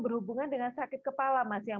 berhubungan dengan sakit kepala mas yang